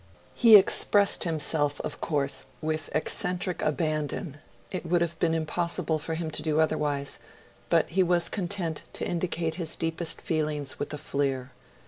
He expressed himself, of course, with eccentric ABANDON it would have been impossible for him to do otherwise; but he was content to indicate his deepest feelings with a fleer.